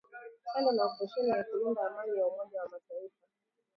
kando na operesheni ya kulinda Amani ya Umoja wa mataifa